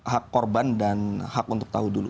hak korban dan hak untuk tahu dulu